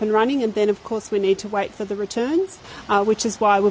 dan kemudian tentu saja kita perlu menunggu kembali kembali